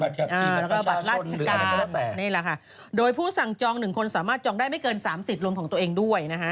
แล้วก็บัตรรัชการโดยผู้สั่งจอง๑คนสามารถจองได้ไม่เกิน๓๐ลงของตัวเองด้วย